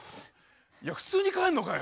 いや普通に帰んのかよ。